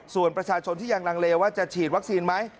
ส่วนประชาชนที่ยังลังเลว่าจะฉีดวัคซีนไหม